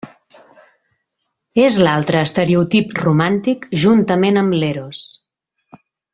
És l'altre estereotip romàntic, juntament amb l'eros.